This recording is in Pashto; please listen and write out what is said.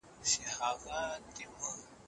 در لېږل چي مي ګلونه هغه نه یم